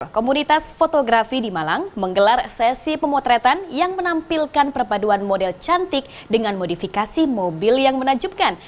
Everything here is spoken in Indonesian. komunitas fotografi di malang menggelar sesi pemotretan yang menampilkan perpaduan model cantik dengan modifikasi mobil yang menajubkan